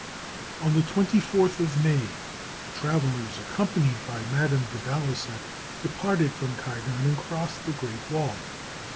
On the 24th of May, the travellers, accompanied by Madame de Baluseck, departed from Kaigan and crossed the Great Wall.